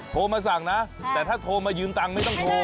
โทรมาสั่งนะแต่ถ้าโทรมายืมตังค์ไม่ต้องโทร